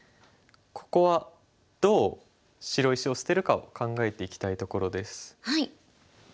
ここはどう白石を捨てるかを考えていきたいところです。